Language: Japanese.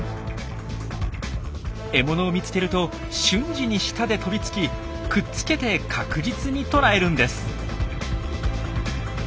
獲物を見つけると瞬時に舌で飛びつきくっつけて確実に捕らえるんです。